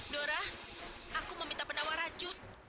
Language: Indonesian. dora aku mau minta penawar racun